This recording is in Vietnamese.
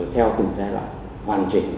theo tình trạng hoàn chỉnh